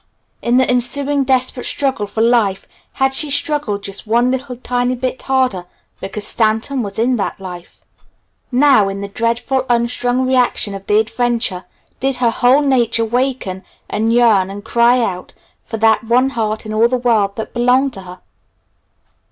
In the ensuing desperate struggle for life had she struggled just one little tiny bit harder because Stanton was in that life? Now, in the dreadful, unstrung reaction of the adventure, did her whole nature waken and yearn and cry out for that one heart in all the world that belonged to her?